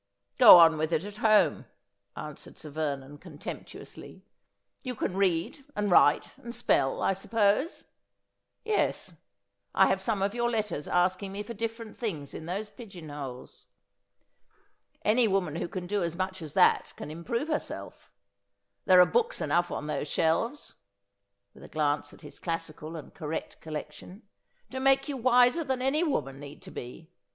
Gro on with it at home,' answered Sir Vernon contemptu 124 Asphodel. ously. ' You can read, and write, and spell, I suppose. Yes ; I have some of your letters asking me for different things in those pigeon holes. Any woman who can do as much as that can improve herself. There are books enough on those shelves '— with a glance at his classical and correct collection —' to make you wiser than any woman need be.